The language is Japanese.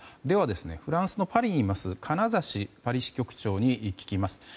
では、フランスのパリにいる金指パリ支局長に聞きます。